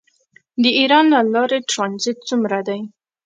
د ایران له لارې ټرانزیټ څومره دی؟